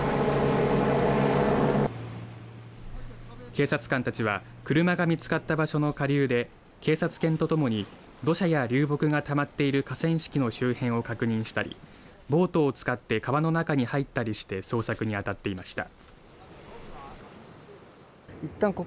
警察官たちは車が見つかった場所の下流で警察犬とともに土砂や流木がたまっている河川敷の周辺を確認したりボートを使って川の中に入ったりして捜索に当たっていました。